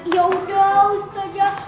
ya udah ustazah